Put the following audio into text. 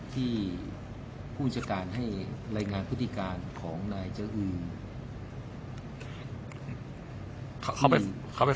ที่ผู้จัดการให้รายงานพฤติการของนายเจ้าอืมเข้าไปเข้าไป